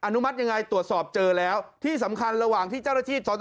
นุมัติยังไงตรวจสอบเจอแล้วที่สำคัญระหว่างที่เจ้าหน้าที่